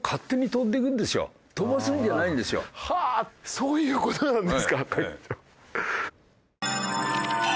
そういう事なんですか！